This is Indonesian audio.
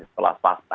di sekolah swasta